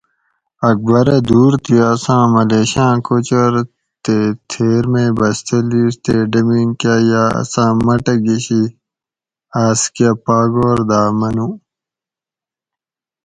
اکبرہ دور تی اساں ملیشاں کوچور تے تھیر مے بستہ لِیڛ تے ڈمین کا یا اساں مٹہ گشی آس کہ پاگور دا منو